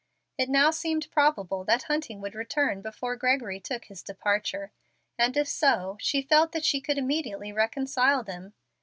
It now seemed probable that Hunting would return before Gregory took his departure, and if so, she felt that she could immediately reconcile them.